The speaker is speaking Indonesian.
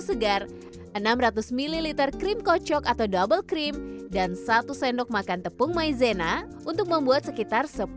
segar enam ratus ml krim kocok atau double cream dan satu sendok makan tepung maizena untuk membuat sekitar